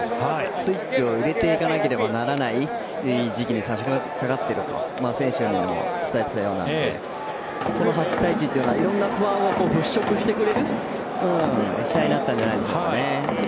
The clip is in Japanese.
スイッチを入れていかなければならない時期に差し掛かっていると選手にも伝えていたようなのでこの８対１というのはいろんな不安を払しょくしてくれる試合だったんじゃないでしょうかね。